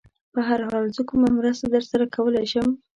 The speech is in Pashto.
په هر حال، زه کومه مرسته در سره کولای شم؟